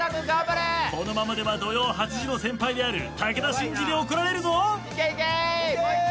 このままでは土曜８時の先輩である武田真治に怒られるぞ。